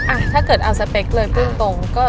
อ่ะถ้าเกิดเอาสเปคเลยพึ่งตรงก็